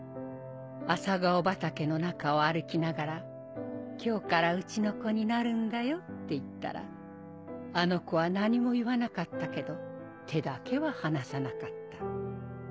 朝顔畑の中を歩きながら今日からうちの子になるんだよって言ったらあの子は何も言わなかったけど手だけは離さなかった。